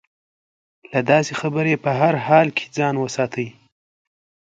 له داسې خبرې په هر حال کې ځان وساتي.